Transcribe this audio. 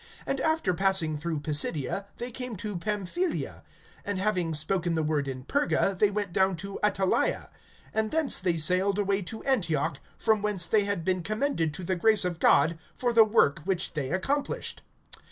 (24)And after passing through Pisidia, they came to Pamphylia. (25)And having spoken the word in Perga, they went down to Attalia; (26)and thence they sailed away to Antioch, from whence they had been commended to the grace of God for the work which they accomplished.